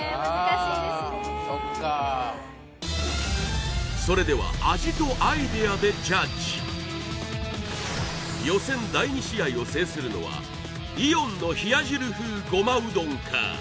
これそれでは味とアイデアでジャッジ予選第２試合を制するのはイオンの冷や汁風ごまうどんか？